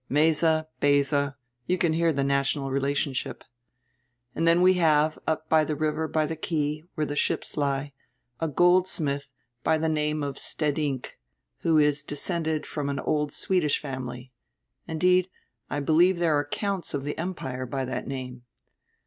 Meza, Beza; you can hear the national relationship. And then we have, up the river by the quay, where the ships lie, a goldsmith by the name of Stedingk, who is descended from an old Swedish family; indeed, I believe there are counts of the empire by that name.